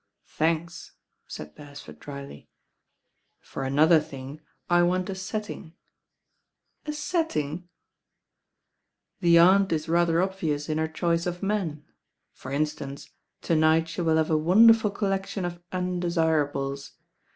"Thanks," said Beresford drily. "For another thing I want a settinir." "A setting I" "The Aunt is rather obvious in her choice of men. For instance, to night she will have a wonderful col lection of undesirables.